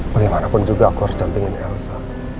bagaimanapun juga aku harus dampingin elsa